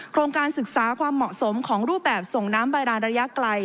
การศึกษาความเหมาะสมของรูปแบบส่งน้ำบาดานระยะไกล